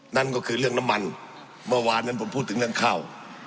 นั่นก็คือเรื่องน้ำมันเมื่อวานนั้นผมพูดถึงเรื่องข้าว